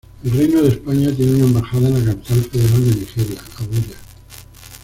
El Reino de España tiene una embajada en la capital federal de Nigeria, Abuya.